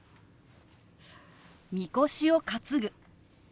「みこしを担ぐ」。